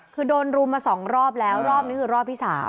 คือโดนรุมมา๒รอบแล้วรอบนี้คือรอบที่๓